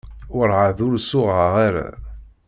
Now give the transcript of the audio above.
Werɛad ur suɣeɣ ara.